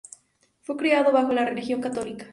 Fue criado bajo la religión católica.